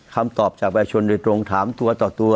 คำตอบจากประชาชนโดยตรงถามตัวต่อตัว